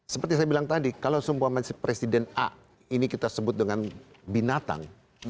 seperti saya bilang tadi kalau sumpahensif presiden a ini kita sebut dengan binatang